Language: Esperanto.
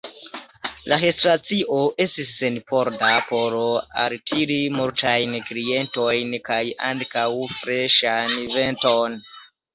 La restoracio estis senporda, por altiri multajn klientojn kaj ankaŭ freŝan venton.